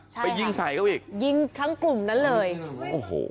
ใช่ไปยิงใส่เขาอีกยิงทั้งกลุ่มนั้นเลยโอ้โห